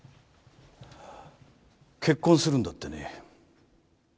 結婚するんだってね。